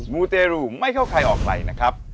มูเตรูไม่เข้าใครออกใครนะครับ